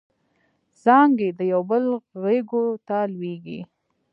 څانګې د یوبل غیږو ته لویږي